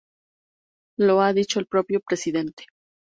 Lo ha dicho el propio presidente.